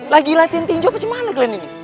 lagi latihan tinjau apa gimana kalian ini